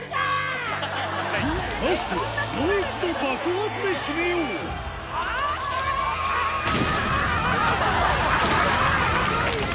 ラストはもう一度爆発で締めようスゴいね。